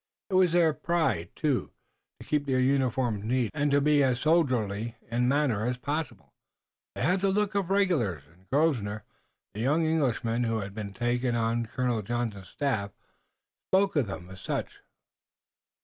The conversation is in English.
It was their pride, too, to keep their uniforms neat, and to be as soldierly in manner as possible. They had the look of regulars, and Grosvenor, the young Englishman who had been taken on Colonel Johnson's staff, spoke of them as such.